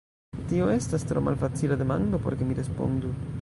Tio estas tro malfacila demando por ke mi respondu.